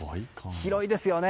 広いですよね。